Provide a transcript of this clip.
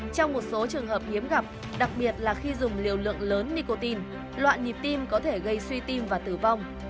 trong một số trường hợp hiếm gặp đặc biệt là khi dùng liều lượng lớn nicotine loạn nhịp tim có thể gây suy tim và tử vong